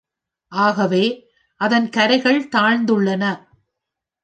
ஆகவே, அதன் கரைகள் தாழ்ந்துள்ளன.